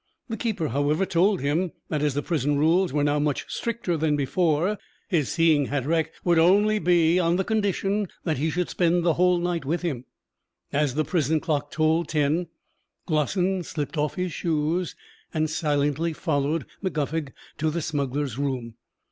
The keeper, however, told him that as the prison rules were now much stricter than before, his seeing Hatteraick would be only on condition that he should spend the whole night with him. As the prison clock tolled ten, Glossin slipped off his shoes, and silently followed Mac Guffog to the smuggler's room.